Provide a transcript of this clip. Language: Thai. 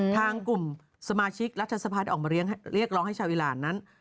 ทางกลุ่มสมาชิกรัฐสภาออกมาเรียกร้องให้ชาวอีหลานนั้น